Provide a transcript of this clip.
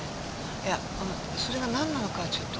いやそれがなんなのかはちょっと。